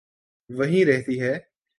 وہیں رہتی ہے۔